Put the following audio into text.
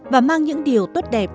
và mang những điều tốt đẹp